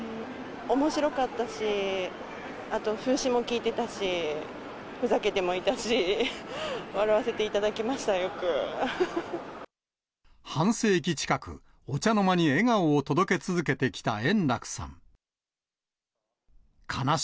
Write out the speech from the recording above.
おもしろかったし、あと、風刺も効いてたし、ふざけてもいたし、笑わせていただきました、半世紀近く、お茶の間に笑顔を届け続けてきた円楽さん。